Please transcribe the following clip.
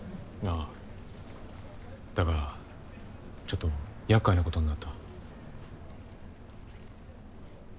ああだがちょっと厄介なことになった。